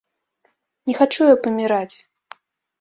Не хачу я паміраць.